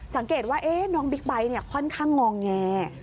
สังเกตว่าน้องบิ๊กไบท์ค่อนข้างงอแง